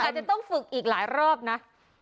อาจจะต้องฝึกอีกหลายรอบนะ